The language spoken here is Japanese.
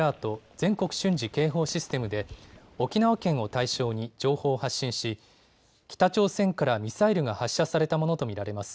・全国瞬時警報システムで沖縄県を対象に情報を発信し北朝鮮からミサイルが発射されたものと見られます。